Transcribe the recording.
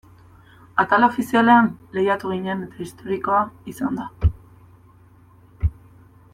Atal ofizialean lehiatu ginen eta historikoa izan da.